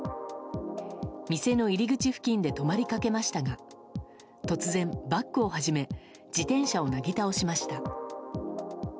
店の入り口付近で止まりかけましたが、突然、バックを始め、自転車をなぎ倒しました。